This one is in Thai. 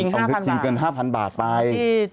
ชิงเงิน๕๐๐๐บาทไป